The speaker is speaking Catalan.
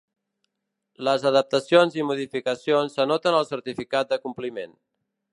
Les adaptacions i modificacions s'anoten al certificat de compliment.